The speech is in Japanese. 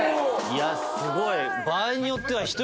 いやすごい。